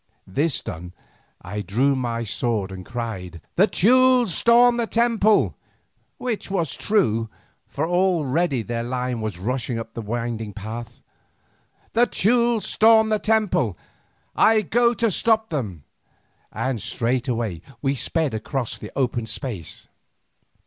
This done, I drew my sword and cried: "The Teules storm the temple!" which was true, for already their long line was rushing up the winding path. "The Teules storm the temple, I go to stop them," and straightway we sped across the open space.